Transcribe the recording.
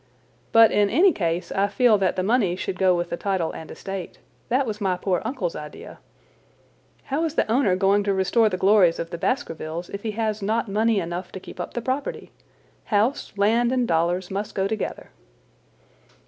But in any case I feel that the money should go with the title and estate. That was my poor uncle's idea. How is the owner going to restore the glories of the Baskervilles if he has not money enough to keep up the property? House, land, and dollars must go together."